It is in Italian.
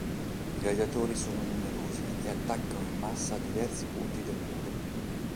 I gladiatori sono numerosi e attaccano in massa diversi punti del muro.